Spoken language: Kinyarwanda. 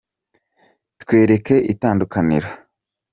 Twereke itandukaniro.